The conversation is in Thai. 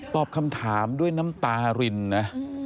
ตอบคำถามด้วยน้ำตารินนะ